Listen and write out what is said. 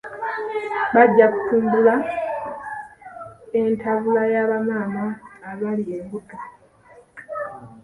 Bajja kutumbula entambula ya bamaama abali embuto.